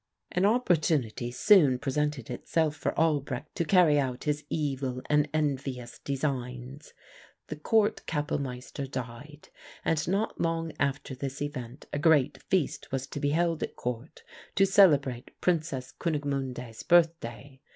"An opportunity soon presented itself for Albrecht to carry out his evil and envious designs. The Court Kapellmeister died, and not long after this event a great feast was to be held at Court to celebrate Princess Kunigmunde's birthday.